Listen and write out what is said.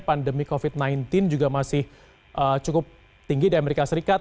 pandemi covid sembilan belas juga masih cukup tinggi di amerika serikat